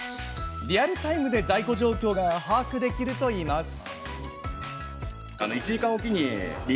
リアルタイムで在庫状況が把握できるといいます。